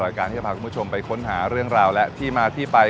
รายการที่จะพาคุณผู้ชมไปค้นหาเรื่องราวและที่มาที่ไป